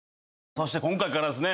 そして今回からですね